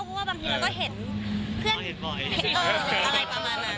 เพราะว่าบางทีเราก็เห็นเพื่อนเห็นอะไรประมาณนั้น